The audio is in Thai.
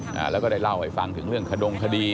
อ่าแล้วก็ได้เล่าให้ฟังถึงเรื่องขดงคดี